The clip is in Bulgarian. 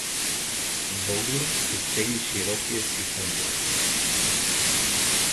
Богор изтегли широкия си ханджар.